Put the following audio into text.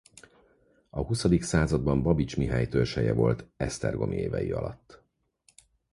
A huszadik században Babits Mihály törzshelye volt esztergomi évei alatt.